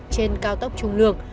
trên cao tốc trung lường